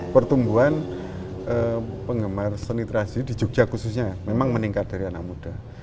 pertumbuhan penggemar seni terasi di jogja khususnya memang meningkat dari anak muda